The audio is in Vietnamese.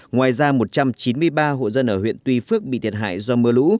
ngoài ra một trăm chín mươi ba hộ dân ở huyện tuy phước bị thiệt hại do mưa lũ